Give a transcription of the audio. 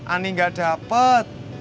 ani gak dapet